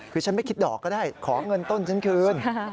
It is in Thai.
คือฉันไม่คิดดอกก็ได้ขอเงินต้นฉันคืน